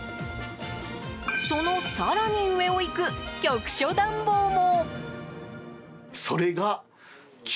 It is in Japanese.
その更に上をいく局所暖房も。